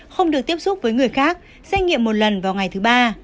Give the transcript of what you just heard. không được tiếp xúc với người khác xét nghiệm một lần vào ngày thứ ba